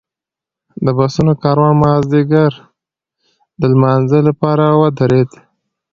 د بسونو کاروان مازیګر د لمانځه لپاره ودرېد.